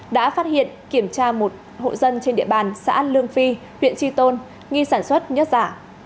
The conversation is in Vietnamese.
đã phát hiện kiểm tra một hộ dân trên địa bàn xã lương phi huyện tri tôn nghi sản xuất nhất giả